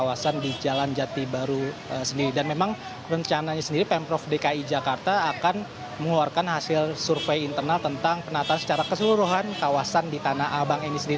kawasan di jalan jati baru sendiri dan memang rencananya sendiri pemprov dki jakarta akan mengeluarkan hasil survei internal tentang penataan secara keseluruhan kawasan di tanah abang ini sendiri